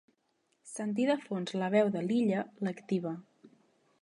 Sentir de fons la veu de l'Illa l'activa.